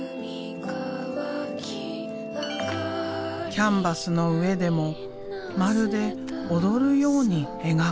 キャンバスの上でもまるで踊るように描く。